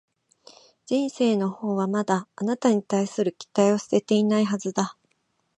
人生のほうはまだ、あなたに対する期待を捨てていないはずだ